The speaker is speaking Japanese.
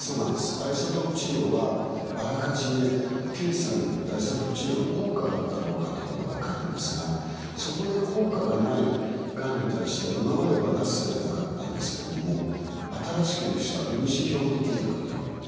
アイソトープ治療はあらかじめ検査によってアイソトープ治療の効果があるかどうかというのが分かるんですがそこで効果がないがんに対しては今まではなすすべがなかったんですけれども新しくできた分子標的薬によって非常に治療がしやすくなりました。